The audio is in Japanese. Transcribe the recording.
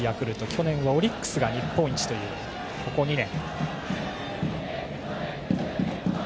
去年はオリックスが日本一という、ここ２年。